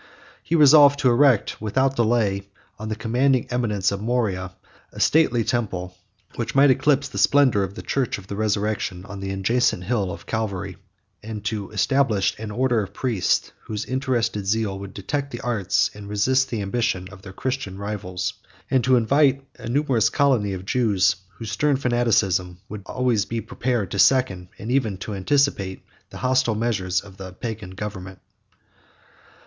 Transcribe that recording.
He resolved to erect, without delay, on the commanding eminence of Moriah, a stately temple, which might eclipse the splendor of the church of the resurrection on the adjacent hill of Calvary; to establish an order of priests, whose interested zeal would detect the arts, and resist the ambition, of their Christian rivals; and to invite a numerous colony of Jews, whose stern fanaticism would be always prepared to second, and even to anticipate, the hostile measures of the Pagan government.